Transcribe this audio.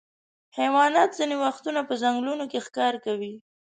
حیوانات ځینې وختونه په ځنګلونو کې ښکار کوي.